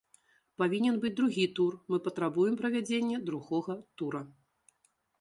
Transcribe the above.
Павінен быць другі тур, мы патрабуем правядзення другога тура.